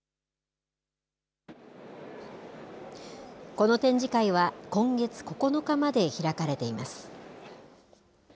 この展示会は、今月９日まで開かれています。